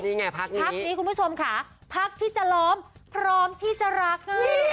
นี่ไงพักนี้คุณผู้ชมค่ะพักที่จะล้อมพร้อมที่จะรัก